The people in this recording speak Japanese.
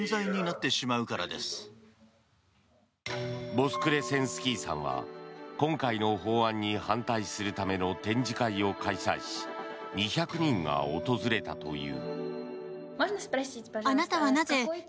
ボスクレセンスキーさんは今回の法案に反対するための展示会を開催し２００人が訪れたという。